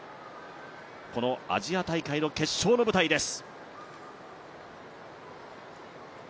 このアジア大会の決勝の舞台です。